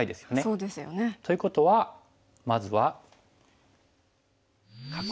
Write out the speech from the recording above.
そうですよね。ということはまずは。